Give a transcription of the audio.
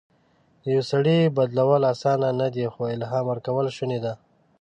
د یو سړي بدلول اسانه نه دي، خو الهام ورکول شونی ده.